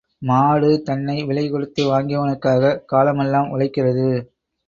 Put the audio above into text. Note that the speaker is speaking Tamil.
மாடு தன்னை விலைகொடுத்து வாங்கியவனுக்காகக் காலமெல்லாம் உழைக்கிறது.